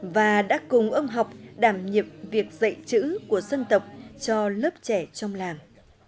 và đã cùng ông học đảm nhiệm việc dạy chữ của dân tộc cho lớp trẻ trong làng